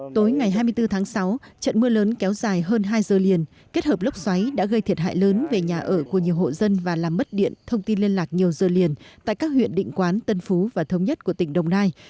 tối ngày hai mươi bốn tháng sáu trận mưa lớn kéo dài hơn hai giờ liền kết hợp lốc xoáy đã gây thiệt hại lớn về nhà ở của nhiều hộ dân và làm mất điện thông tin liên lạc nhiều giờ liền tại các huyện định quán tân phú và thống nhất của tỉnh đồng nai